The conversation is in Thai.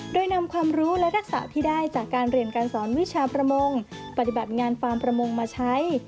โดยนำความรู้และทักษะที่ได้จากการเรียนการสอนวิชาประมงปฏิบัติงานฟาร์มประมงมาใช้